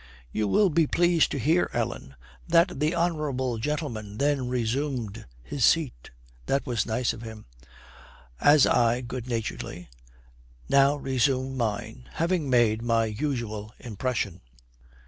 'You will be pleased to hear, Ellen, that the honourable gentleman then resumed his seat.' 'That was nice of him.' 'As I,' good naturedly, 'now resume mine, having made my usual impression.'